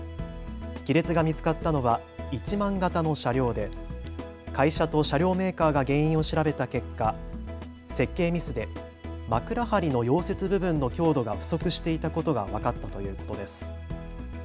亀裂が見つかったのは１００００形の車両で会社と車両メーカーが原因を調べた結果、設計ミスで枕はりの溶接部分の強度が不足していたことが分かったということです。